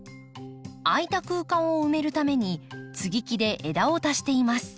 空いた空間を埋めるために接ぎ木で枝を足しています。